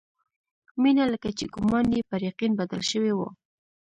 مينه لکه چې ګومان يې پر يقين بدل شوی و.